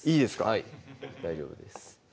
はい大丈夫です